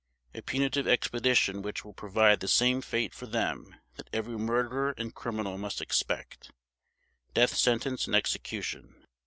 A punitive expedition which will provide the same fate for them that every murderer and criminal must expect: Death sentence and execution.